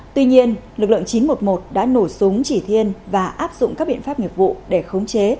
tuy nhiên lực lượng chín trăm một mươi một đã nổ súng chỉ thiên và áp dụng các biện pháp nghiệp vụ để khống chế